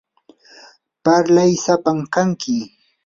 parlay sapam kanki.